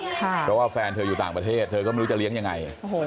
เพราะว่าแฟนเธออยู่ต่างประเทศเธอก็ไม่รู้จะเลี้ยงยังไง